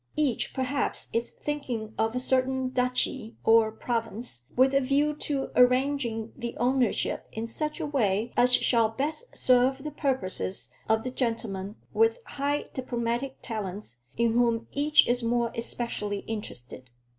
Each, perhaps, is thinking of a certain duchy or province, with a view to arranging the ownership in such a way as shall best serve the purposes of the gentleman with high diplomatic talents in whom each is more especially interested.